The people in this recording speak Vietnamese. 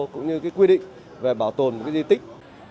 cũng như cái quy định về bảo tồn cái di tích